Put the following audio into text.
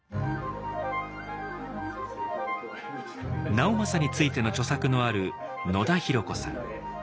直政についての著作のある野田浩子さん。